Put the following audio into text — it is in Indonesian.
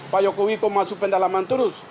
pak yoko wiko masuk pendalaman terus